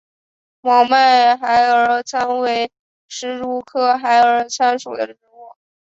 毛脉孩儿参为石竹科孩儿参属的植物。